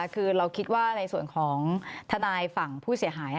คือเราคิดว่าในส่วนของทนายฝั่งผู้เสียหาย